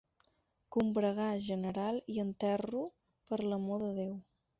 Combregar general i enterro per l'amor de Déu.